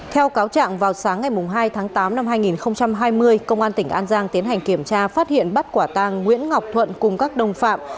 theo cáo trạng vào sáng ngày hai tháng tám năm hai nghìn hai mươi công an tỉnh an giang tiến hành kiểm tra phát hiện bắt quả tang nguyễn ngọc thuận cùng các đồng phạm